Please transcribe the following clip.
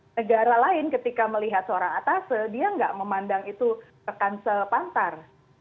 negara lain ketika melihat seorang atasa dia nggak memandang itu kekansel pantar